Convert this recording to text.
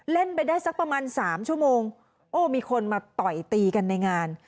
เล่นไปได้สักประมาณสามชั่วโมงโอ้มีคนมาต่อยตีกันในงาน